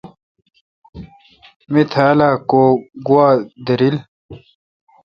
می تھال اؘ کو گوا دیرل۔